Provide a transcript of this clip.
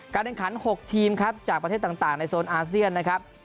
แห่งขัน๖ทีมครับจากประเทศต่างในโซนอาเซียนนะครับ